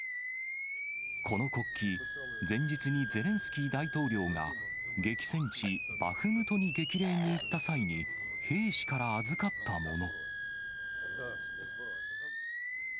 この国旗、前日にゼレンスキー大統領が、激戦地バフムトに激励に行った際に、兵士から預かったもの。